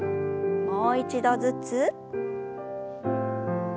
もう一度ずつ。